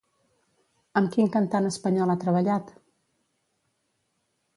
Amb quin cantant espanyol ha treballat?